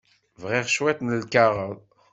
Bɣiɣ cwiṭ n lkaɣeḍ.